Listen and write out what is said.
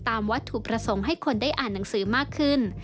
วัตถุประสงค์ให้คนได้อ่านหนังสือมากขึ้น